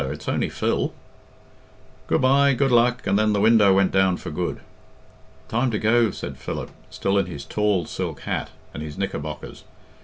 It's only Phil." "Good bye! Good luck!" and then the window went down for good. "Time to go," said Philip, still in his tall silk hat and his knickerbockers.